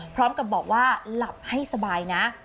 พร้อมกับบอกว่าหลับให้สบายนะ